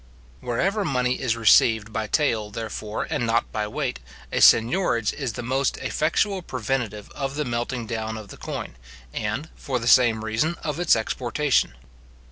Wherever money is received by tale, therefore, and not by weight, a seignorage is the most effectual preventive of the melting down of the coin, and, for the same reason, of its exportation.